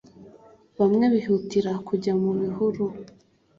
Bamwe bihutira kujya mu bihuru